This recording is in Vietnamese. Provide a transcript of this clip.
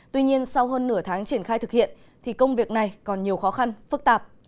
tuy nhiên sau hơn nửa tháng triển khai thực hiện thì công việc này còn nhiều khó khăn phức tạp